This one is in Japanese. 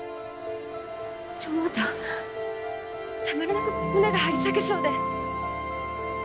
そう思うとたまらなく胸が張り裂けそうで。